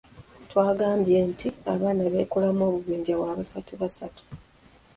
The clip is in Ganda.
Twagambye nti abaana beekolamu obubinja bwa basatu basatu.